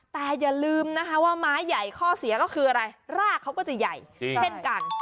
แต่อย่าลืมนะคะว่าไม้ใหญ่ข้อเสียก็คืออะไรรากเขาก็จะใหญ่เช่นกัน